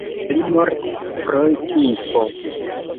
Li mortis pro tifo.